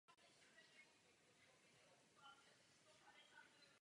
Graham Hill to vyrovnal hned v dalším závodě v Německu.